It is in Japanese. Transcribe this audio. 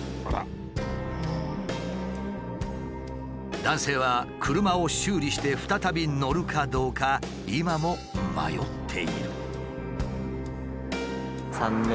男性は車を修理して再び乗るかどうか今も迷っている。